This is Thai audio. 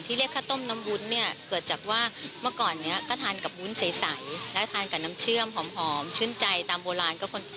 เรียกข้าวต้มน้ำวุ้นเนี่ยเกิดจากว่าเมื่อก่อนนี้ก็ทานกับวุ้นใสแล้วทานกับน้ำเชื่อมหอมชื่นใจตามโบราณ